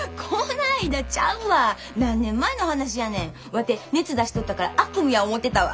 ワテ熱出しとったから悪夢や思うてたわ。